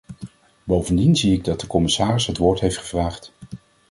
Bovendien zie ik dat de commissaris het woord heeft gevraagd.